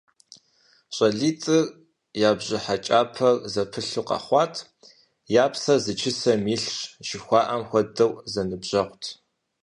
ЩӀалитӀыр я бжьыхьэкӀапэр зэпылъу къэхъуат, «я псэр зы чысэм илъщ» жыхуаӀэм хуэдэу зэныбжьэгъут.